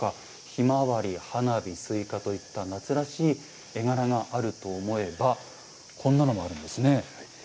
ひまわり、花火、すいかといった夏らしい絵柄があると思えばこんなものも。